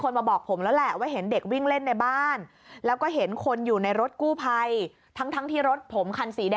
เขาก็พูดเหมือนกับเขาก็ไม่ได้กลัวอะไรอ่ะเอาฟังพี่สมศักดิ์หน่อยค่ะ